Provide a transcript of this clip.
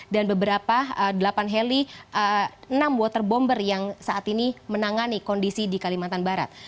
dan beberapa delapan heli enam water bomber yang saat ini menangani kondisi di kalimantan barat